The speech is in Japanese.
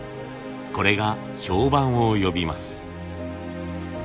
これが評判を呼びます。